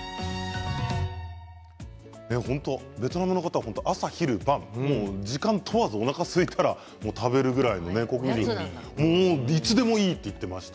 本当にベトナムの方朝昼晩、時間を問わずおなかがすいたら食べるぐらいいつでもいいと言っていました。